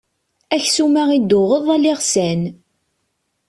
Aksum-a i d-tuɣeḍ ala iɣsan.